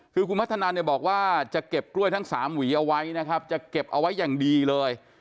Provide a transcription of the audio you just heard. คือคุณพัฒนาเนี่ยบอกว่าจะเก็บกล้วยทั้ง๓หวีเอาไว้นะครับจะเก็บเอาไว้อย่างดีเลย